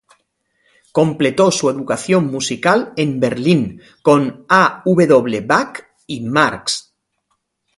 Completó su educación musical en Berlín con A. W. Bach y Marx.